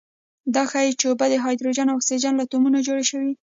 دا ښيي چې اوبه د هایدروجن او اکسیجن له اتومونو جوړې دي.